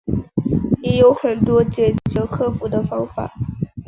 也有很多解决克服的方法